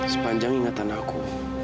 sepanjang ingatan aku